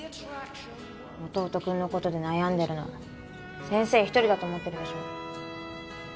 弟君のことで悩んでるのは先生一人だと思ってるでしょ？